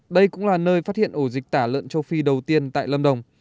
đây cũng là nơi phát hiện ổ dịch tả lợn châu phi đầu tiên tại lâm đồng